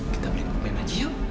kita beli buku mainan aja yuk